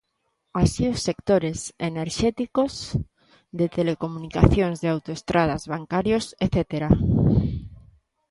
Así, os sectores enerxéticos, de telecomunicacións, de autoestradas, bancarios etcétera.